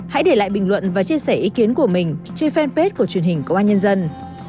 hãy để lại bình luận và chia sẻ ý kiến của mình trên fanpage của truyền hình công an nhân dân